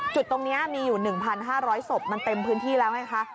จุดตรงนี้มีอยู่๑๕๐๐ศพมันเต็มพื้นที่แล้วไงคะ